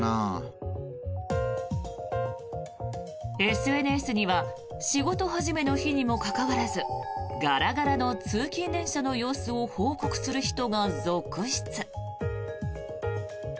ＳＮＳには仕事始めの日にもかかわらずガラガラの通勤電車の様子を報告する人が続出。